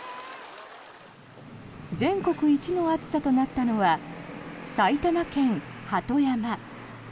全国一の暑さとなったのは埼玉県鳩山。